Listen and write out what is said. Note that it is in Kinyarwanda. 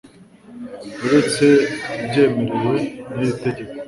uretse ubyemerewe n iri tegeko